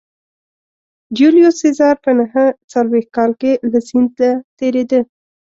جیولیوس سزار په نهه څلوېښت کال کې له سیند تېرېده